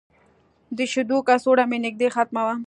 د شیدو کڅوړه مې نږدې ختمه وه.